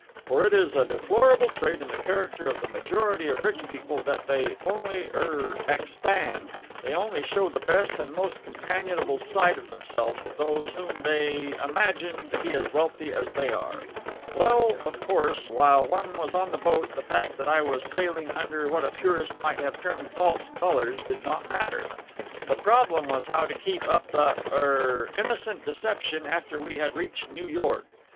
For it is a deplorable trait in the character of the majority of rich people that they only er expand they only show the best and most companionable side of themselves to those whom they imagine to be as wealthy as they are. Well, of course, while one was on the boat, the fact that I was sailing under what a purist might have termed false colours did not matter. The problem was how to keep up the er innocent deception after we had reached New York.